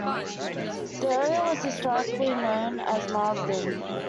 The area was historically known as Marsden.